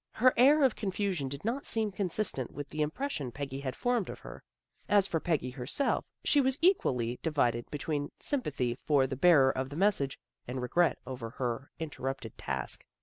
Her air of confusion did not seem consistent with the impression Peggy had formed of her. As for Peggy herself, she was equally divided between sympathy for the bearer of the message, and regret over her interrupted task.